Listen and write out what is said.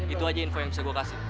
itu aja info yang bisa gue kasih